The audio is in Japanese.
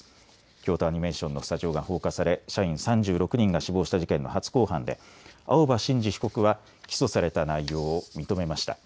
京都アニメーションのスタジオが放火され社員３６人が死亡した事件の初公判で青葉真司被告は起訴された内容を認めました。